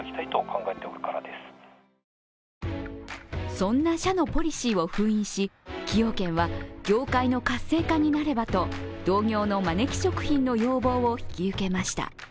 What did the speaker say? そんな社のポリシーを封印し、崎陽軒は業界の活性化になればと同業のまねき食品の要望を引き受けました。